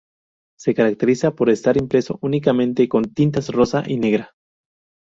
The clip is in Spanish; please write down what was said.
Se caracteriza por estar impreso únicamente con tintas rosa y negra.